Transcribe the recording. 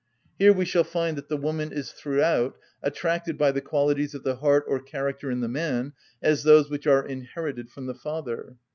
Here we shall find that the woman is throughout attracted by the qualities of the heart or character in the man, as those which are inherited from the father.